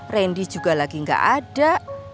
randy juga lagi gak ada